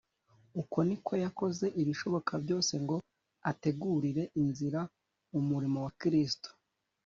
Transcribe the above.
” Uko niko yakoze ibishoboka byose ngo ategurire inzira umurimo wa Kristo.